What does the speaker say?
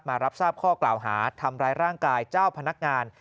รับทราบข้อกล่าวหาทำร้ายร่างกายเจ้าพนักงาน